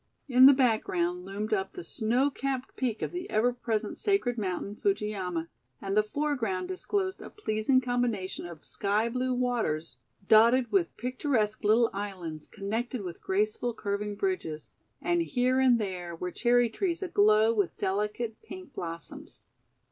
In the background loomed up the snow capped peak of the ever present sacred mountain, Fujiyama, and the foreground disclosed a pleasing combination of sky blue waters dotted with picturesque little islands connected with graceful curving bridges, and here and there were cherry trees aglow with delicate pink blossoms.